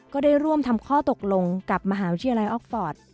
ก็ได้ร่วมทำข้อตกลงกับมหาวิทยาลัยออกฟอร์ต